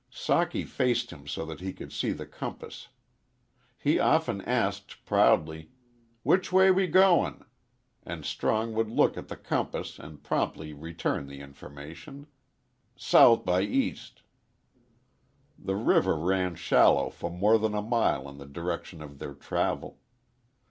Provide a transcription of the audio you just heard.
Socky faced him so that he could see the compass. He often asked, proudly, "Which way we goin'?" and Strong would look at the compass and promptly return the information, "Sou' by east." The river ran shallow for more than a mile in the direction of their travel.